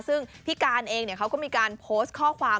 ซึ่งพี่การเองเขาก็มีการโพสต์ข้อความ